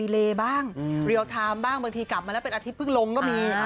เลบ้างเรียลไทม์บ้างบางทีกลับมาแล้วเป็นอาทิตยเพิ่งลงก็มี